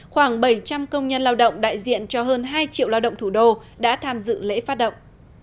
khoảng bảy trăm linh công nhân lao động đại diện cho hơn hai triệu lao động thủ đô đã tham dự lễ phát động